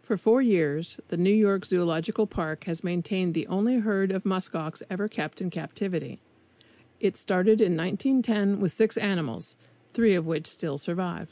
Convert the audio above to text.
For four years the New York Zoological Park has maintained the only herd of musk ox ever kept in captivity. It started in 1910 with six animals, three of which still survive.